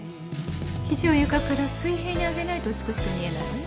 肘を床から水平に上げないと美しく見えないわよ。